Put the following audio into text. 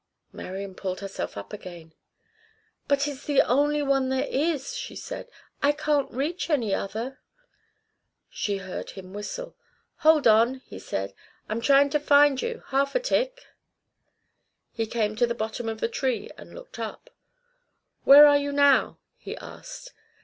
Marian pulled herself up again. "But it's the only one there is," she said. "I can't reach any other." She heard him whistle. "Hold on," he said. "I'm trying to find you half a tick." He came to the bottom of the tree and looked up. "Where are you now?" he asked.